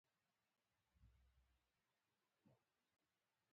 تذکرة الاولیاء" په اوو مخونو کښي موندل سوى دئ.